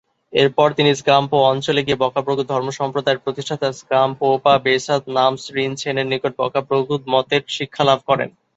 এরপর তিনি স্গাম-পো অঞ্চলে গিয়ে ব্কা'-ব্র্গ্যুদ ধর্মসম্প্রদায়ের প্রতিষ্ঠাতা স্গাম-পো-পা-ব্সোদ-নাম্স-রিন-ছেনের নিকট ব্কা'-ব্র্গ্যুদ মতের শিক্ষা লাভ করেন।